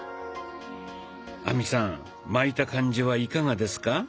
亜美さん巻いた感じはいかがですか？